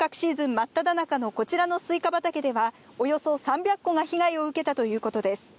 真っただ中のこちらのスイカ畑では、およそ３００個が被害を受けたということです。